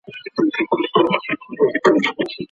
د خپلو تېروتنو منل او لیکل د اصلاح پیل دی.